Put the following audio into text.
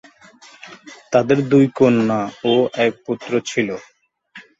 তাদের দুই কন্যা ও এক পুত্র ছিলো।